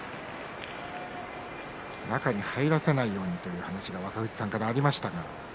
中に入らせないようにという話が若藤さんからありましたが。